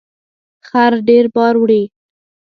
خر ډیر بار وړي